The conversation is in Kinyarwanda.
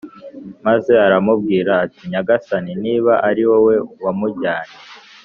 maze aramubwira ati Nyagasani niba ari wowe wamujyanye